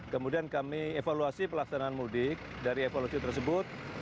kemudian kami evaluasi pelaksanaan mudik dari evaluasi tersebut